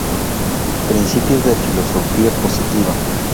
Principios de filosofía positiva.